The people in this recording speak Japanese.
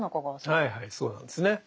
はいはいそうなんですね。